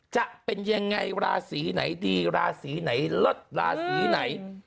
จะเป็นยังไงราศีไหนดีราศีไหนเลิศราศีไหน